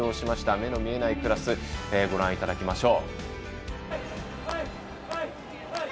目の見えないクラスご覧いただきましょう。